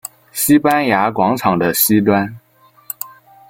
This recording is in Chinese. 西班牙广场的西端。